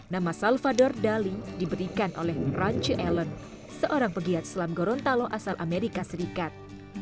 nama salvador dali diberikan oleh ranche ellen seorang pegiat selam gorontalo asal amerika serikat